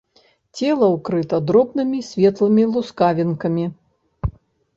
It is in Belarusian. Цела ўкрыта дробнымі светлымі лускавінкамі.